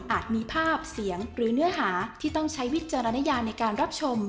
มีภาพเสียงหรือเนื้อหาที่ต้องใช้วิจารณญาในการรับชม